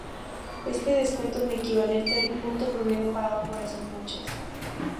Este descuento es equivalente al monto promedio pagado por esas noches.